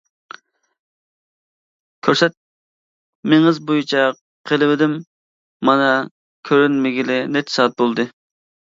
كۆرسەتمىڭىز بويىچە قىلىۋىدىم، مانا كۆرۈنمىگىلى نەچچە سائەت بولدى.